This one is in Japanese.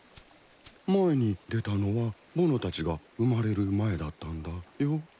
前に出たのはぼのたちが生まれる前だったんだよ。